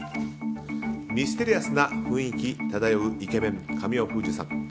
ミステリアスな雰囲気漂うイケメン神尾楓珠さん。